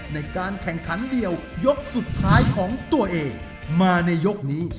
ในการแข่งขันเดียวยกสุดท้ายของตัวเองมาในยกนี้